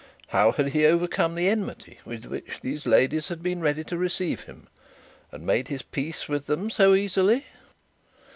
How had he overcome the enmity with which those ladies had been ready to receive him, and made his peace with them so easily?